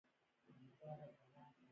افغانستان کې د بادام د پرمختګ هڅې روانې دي.